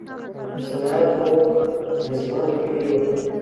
صنعت موږ نېستمن کړي یو.